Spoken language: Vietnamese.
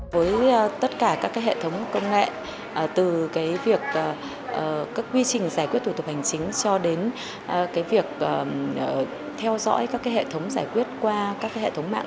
với tất cả các hệ thống công nghệ từ việc các quy trình giải quyết thủ tục hành chính cho đến việc theo dõi các hệ thống giải quyết qua các hệ thống mạng